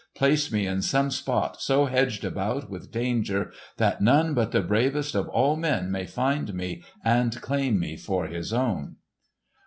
Place me in some spot so hedged about with danger that none but the bravest of all men may find me and claim me for his own!"